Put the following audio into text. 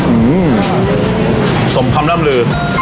อื้มมมสมคำล่ำลืด